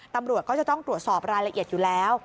ตำรวจก็จะต้องตรวจสอบรายละเอียดอยู่แล้ว